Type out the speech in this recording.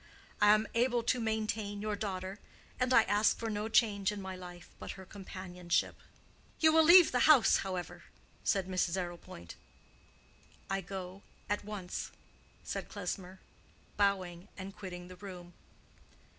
I am able to maintain your daughter, and I ask for no change in my life but her companionship." "You will leave the house, however," said Mrs. Arrowpoint. "I go at once," said Klesmer, bowing and quitting the room.